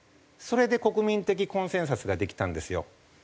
それで国民的コンセンサスができたんですよ。